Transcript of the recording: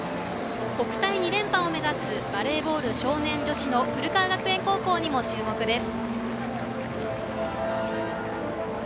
国体２連覇を目指すバレーボール少年女子の古川学園高校にも注目です。